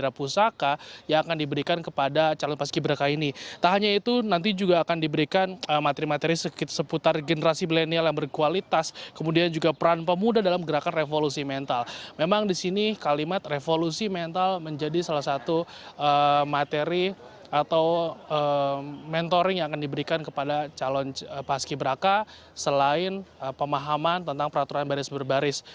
apakah sehingga siang ini semua calon paski berak akan menjalani pemusatan pelatihan